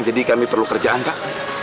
jadi kami perlu kerjaan pak